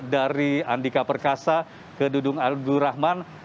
dari andika perkasa ke dudung abdurrahman